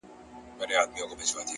مثبت فکر د ذهن کړکۍ پاکوي.!